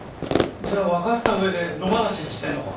じゃあ分かった上で野放しにしてるのか？